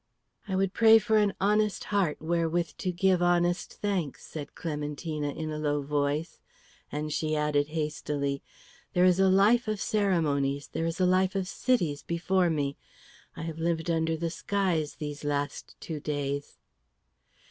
"I would pray for an honest heart wherewith to give honest thanks," said Clementina, in a low voice; and she added hastily, "There is a life of ceremonies, there is a life of cities before me. I have lived under the skies these last two days."